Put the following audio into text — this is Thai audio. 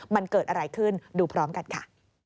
มันเกิดอะไรขึ้นดูพร้อมกันค่ะ